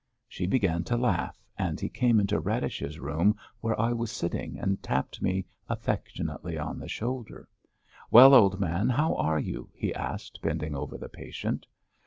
She began to laugh and he came into Radish's room, where I was sitting, and tapped me affectionately on the shoulder. "Well, old man, how are you?" he asked, bending over the patient.